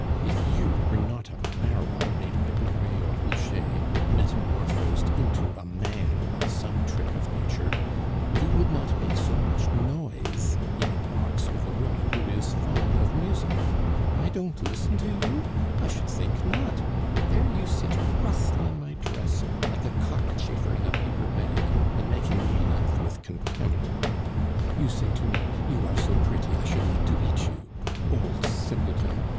If you were not a barrel made by Huret or Fichet, metamorphosed into a man by some trick of nature, you would not make so much noise in a box with a woman who is fond of music. I don't listen to you? I should think not! There you sit rustling my dress like a cockchafer in a paper bag, and making me laugh with contempt. You say to me, 'You are so pretty, I should like to eat you!' Old simpleton!